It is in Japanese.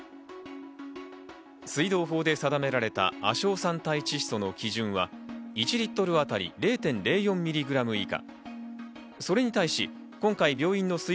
水道法で定められた亜硝酸態窒素の基準は１リットルあたり０．０４ｍｇ以下。